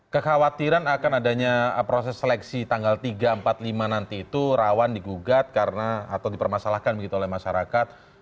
kekhawatiran akan adanya proses seleksi tanggal tiga empat puluh lima nanti itu rawan digugat karena atau dipermasalahkan begitu oleh masyarakat